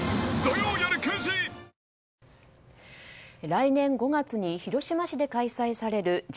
来年５月に広島市で開催されるＧ７